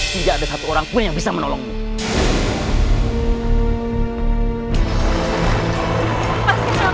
tidak ada oldeter bunlar yang sudah terbarukan